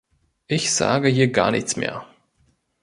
Ich sage hier gar nichts mehr.